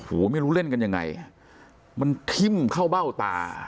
โอ้โหไม่รู้เล่นกันยังไงมันทิ่มเข้าเบ้าตา